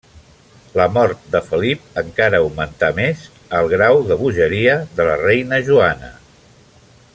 La mort de Felip encara augmentà més el grau de bogeria de la reina Joana.